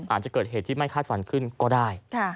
อาจจะเกิดเหตุที่ไม่คาดฝันขึ้นก็ได้